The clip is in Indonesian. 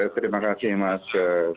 terima kasih mas